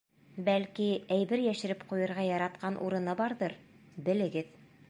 Бәлки, әйбер йәшереп ҡуйырға яратҡан урыны барҙыр — белегеҙ.